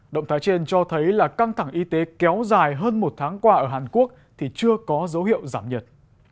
động thái trên cho thấy là căng thẳng y tế kéo dài hơn một tháng qua ở hàn quốc thì chưa có dấu hiệu giảm nhiệt